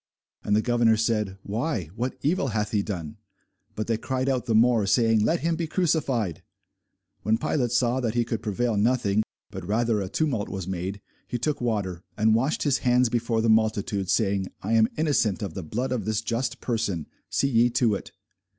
And the governor said, Why, what evil hath he done? But they cried out the more, saying, Let him be crucified. When Pilate saw that he could prevail nothing, but that rather a tumult was made, he took water, and washed his hands before the multitude, saying, I am innocent of the blood of this just person: see ye to it.